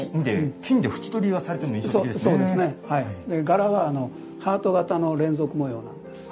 柄はハート形の連続模様なんです。